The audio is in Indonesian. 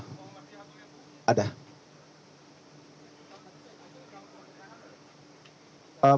beliau tidak hadir dalam kapasitas